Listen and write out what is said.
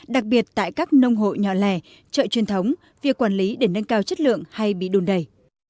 đặc biệt tại các nông hộ nhỏ lẻ chợ truyền thống việc quản lý để nâng cao chất lượng hay bị đun đầy